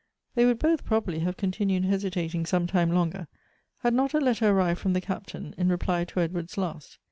They would both, probably, have continued hesitating some time longer, had not a letter arrived from the Captain, in reply to Edward's last.